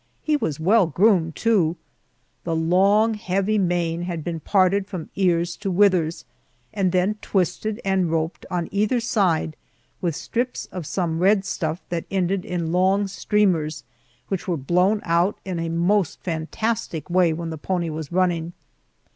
He was well groomed, too. The long, heavy mane had been parted from ears to withers, and then twisted and roped on either side with strips of some red stuff that ended in long streamers, which were blown out in a most fantastic way when the pony was running.